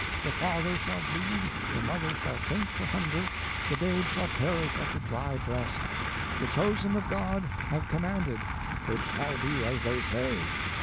The father shall bleed, the mother shall faint for hunger, the babe shall perish at the dry breast. The chosen of God have commanded: it shall be as they say."